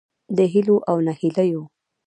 د هیلو او نهیلیو